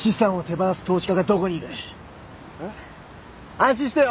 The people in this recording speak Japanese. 安心してよ。